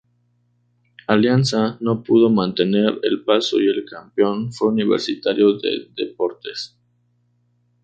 Alianza no pudo mantener el paso y el campeón fue Universitario de Deportes.